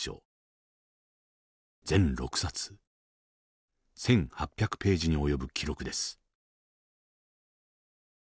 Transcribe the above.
全６冊１，８００ページに及ぶ記録です。